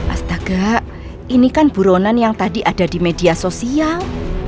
astaga ini kan buronan yang tadi ada di media sosial